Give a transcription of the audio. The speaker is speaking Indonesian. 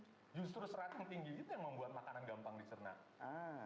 justru serat yang tinggi itu yang membuat makanan gampang dicernakan